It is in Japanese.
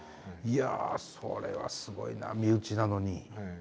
いやそれはすごいな身内なのに。